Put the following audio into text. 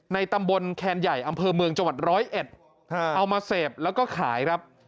ตำบลแคนใหญ่อำเภอเมืองจังหวัดร้อยเอ็ดเอามาเสพแล้วก็ขายครับ